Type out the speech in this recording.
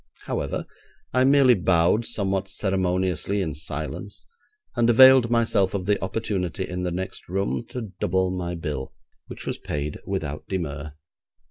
However, I merely bowed somewhat ceremoniously in silence, and availed myself of the opportunity in the next room to double my bill, which was paid without demur.